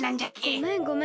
ごめんごめん。